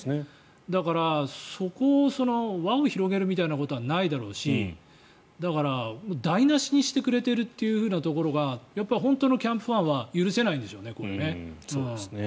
だから、そこを輪を広げるみたいなことはないだろうしだから、台なしにしてくれているというところがやっぱり本当のキャンプファンは許せないんでしょうね。